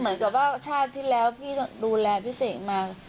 เหมือนกับว่าชาติที่แล้วพี่ดูแลพี่เสกมา